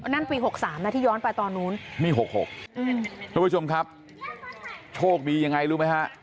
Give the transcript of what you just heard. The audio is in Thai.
นั่นปี๖๓นะที่ย้อนไปตอนนู้นนี่๖๖ทุกผู้ชมครับโชคดียังไงรู้ไหมฮะ